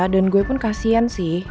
dan gue pun kasian sih